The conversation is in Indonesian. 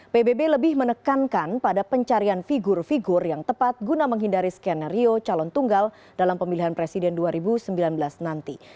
pbb lebih menekankan pada pencarian figur figur yang tepat guna menghindari skenario calon tunggal dalam pemilihan presiden dua ribu sembilan belas nanti